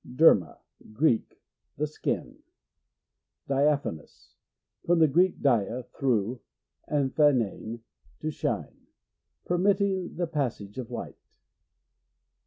Derma. — Greek. Tne skin. Diaphanous. — From the Greek, dia, through, and phainein, to shine. Permitting the passage of light.